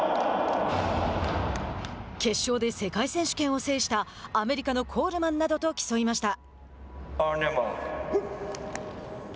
決勝で世界選手権を制したアメリカのコールマンなどと競いました。